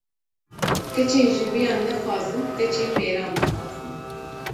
Keçên jinbiyan nexwazin keçên mêran bixwazin